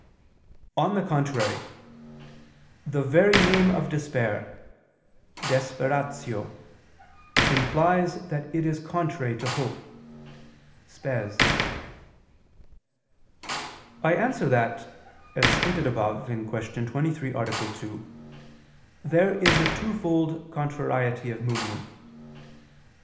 On the contrary, The very name of despair (desperatio) implies that it is contrary to hope (spes). I answer that, As stated above (Q. 23, A. 2), there is a twofold contrariety of movements.